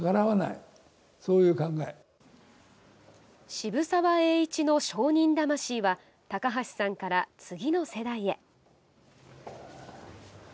渋沢栄一の商人魂は高橋さんから次の世代へ。